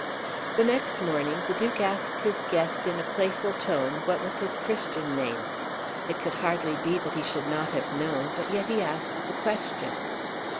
The next morning the Duke asked his guest in a playful tone what was his Christian name. It could hardly be that he should not have known, but yet he asked the question.